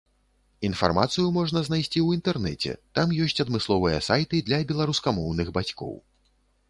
Інфармацыю можна знайсці ў інтэрнэце, там ёсць адмысловыя сайты для беларускамоўных бацькоў.